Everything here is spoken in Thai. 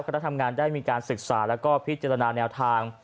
คณะทำงานได้มีการศึกษาแล้วก็พิจารณาแนวทาง